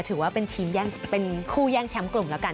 ถือว่าเป็นทีมเป็นคู่แย่งแชมป์กลุ่มแล้วกัน